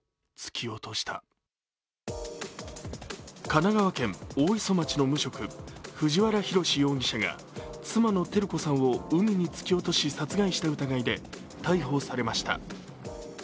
神奈川県大磯町の無職、藤原宏容疑者が妻の照子さんを海に突き落とし殺害した疑いで逮捕されました。